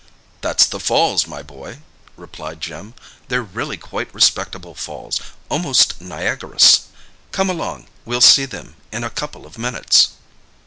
"That's the falls, my boy," replied Jim. "They're really quite respectable falls—almost Niagarous! Come along, we'll see them in a couple of minutes."